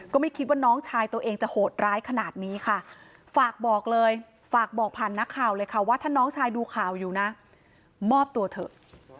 ก็ไม่คิดว่าน้องชายตัวเองจะโหดร้ายขนาดนี้ค่ะฝากบอกเลยฝากบอกผ่านนักข่าวเลยค่ะว่าถ้าน้องชายดูข่าวอยู่นะมอบตัวเถอะ